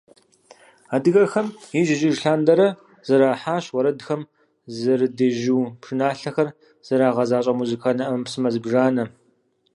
Адыгэхэм ижь-ижьыж лъандэрэ зэрахьащ уэрэдхэм зэрыдежьу, пшыналъэхэр зэрагъэзащӀэ музыкальнэ Ӏэмэпсымэ зыбжанэ.